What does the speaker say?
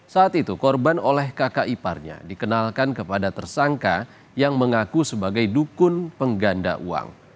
saat itu korban oleh kakak iparnya dikenalkan kepada tersangka yang mengaku sebagai dukun pengganda uang